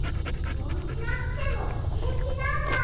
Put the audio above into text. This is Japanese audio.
おうちなくてもへいきなんだ。